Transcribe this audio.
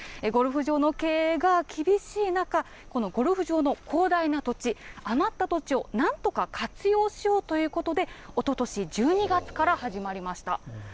ゴルフ場の経営が厳しい中、このゴルフ場の広大な土地、余った土地をなんとか活用しようということで、おととし１２月から始まりました。